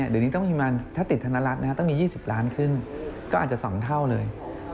เดี๋ยวนี้ต้องประมาณถ้าติดธนรัฐต้องมี๒๐ล้านขึ้นก็อาจจะ๒เท่าเลย